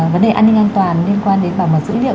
vấn đề an ninh an toàn liên quan đến bảo mật dữ liệu